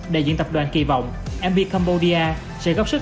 đại diện tập đoàn kỳ vọng mp cambodia sẽ góp sức